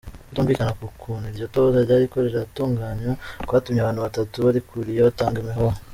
Ukutumvikana ku kuntu iryo tohoza ryariko riratunganywa, kwatumye abantu batatu barikuriye batanga imihoho.